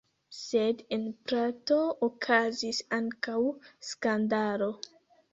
Sed en Prato okazis ankaŭ skandalo.